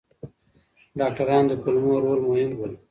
ډاکټران د کولمو رول مهم بولي.